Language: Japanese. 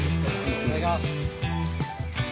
いただきます。